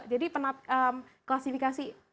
jadi penat klasifikasi